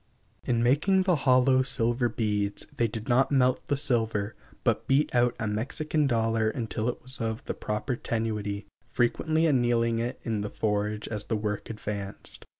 In making the hollow silver beads they did not melt the silver, but beat out a Mexican dollar until it was of the proper tenuity frequently annealing it in the forge as the work advanced.